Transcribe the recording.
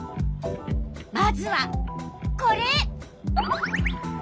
まずはこれ。